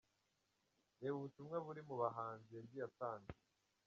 Reba ubutumwa buri muhanzi yagiye atanga.